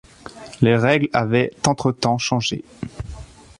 Les règles avaient entretemps changé.